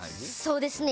そうですね。